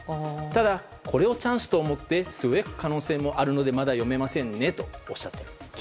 ただ、これをチャンスと思って据え置く可能性もあるのでまだ読めませんよねとおっしゃっていました。